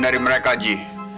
dari mereka ji